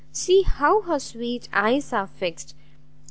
see how her sweet eyes are fixed!